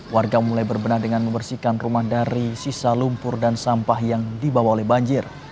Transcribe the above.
warga mulai berbenah dengan membersihkan rumah dari sisa lumpur dan sampah yang dibawa oleh banjir